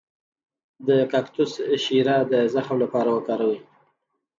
د کاکتوس شیره د زخم لپاره وکاروئ